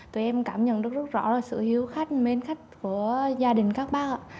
tụi em cảm nhận được rất rõ là sự hiếu khách mến khách của gia đình các bác ạ